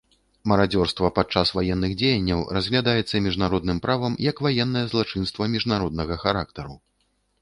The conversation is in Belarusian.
Марадзёрства падчас ваенных дзеянняў разглядаецца міжнародным правам як ваеннае злачынства міжнароднага характару.